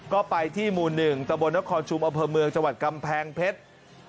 ก็ไปที่หมู่๑ตะบนนครชุมอำเภอเมืองจังหวัดกำแพงเพชร